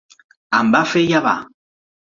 Em van fer llevar.